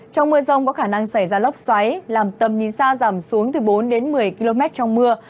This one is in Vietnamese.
trong mưa rông có khả năng xảy ra lốc xoáy làm tầm nhìn xa giảm xuống từ bốn đến một mươi km trong mưa